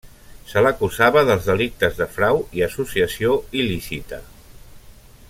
Se l'acusava dels delictes de frau i associació il·lícita.